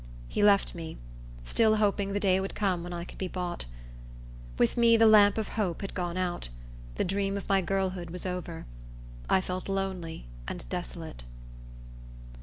He left me, still hoping the day would come when I could be bought. With me the lamp of hope had gone out. The dream of my girlhood was over. I felt lonely and desolate.